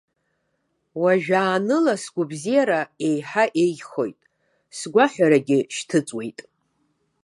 Уажәааныла сгәабзиара иаҳа еиӷьхоит, сгәаҳәарагьы шьҭыҵуеит.